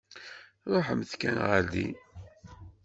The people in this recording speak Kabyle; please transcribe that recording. Ṛuḥemt kan ɣer din.